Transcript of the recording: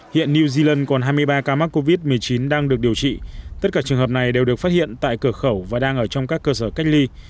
hiện new zealand còn hai mươi ba ca mắc covid một mươi chín đang được điều trị tất cả trường hợp này đều được phát hiện tại cửa khẩu và đang ở trong các cơ sở cách ly